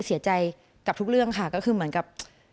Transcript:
เสียใจกับทุกเรื่องค่ะก็คือเหมือนกับ